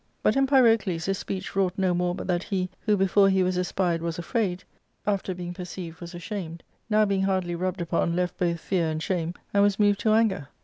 *' But in Pyrocles this speech wrought no more but that he, who before he was espied was afraid, after being perceived was ashamed, now being hardly rubbed upon left both fear and shame, and was moved to anger.